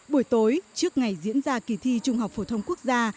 buổi tối trước ngày diễn ra kỳ thi trung học phổ thông quốc gia